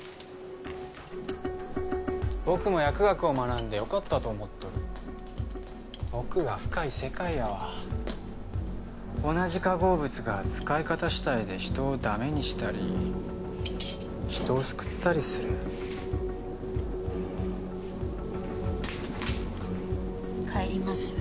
僕も薬学を学んでよかったと思っとる奥が深い世界やわ同じ化合物が使い方次第で人をダメにしたり人を救ったりする帰ります